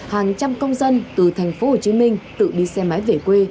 hàng trăm công dân từ thành phố hồ chí minh tự đi xe máy về quê